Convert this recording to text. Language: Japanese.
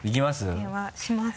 電話します。